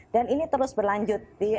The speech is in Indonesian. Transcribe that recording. dan ini terus berlanjut